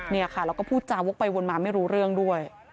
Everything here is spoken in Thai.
เนี่ยค่ะแล้วก็พูดจาวกไปวนมาไม่รู้เรื่องด้วย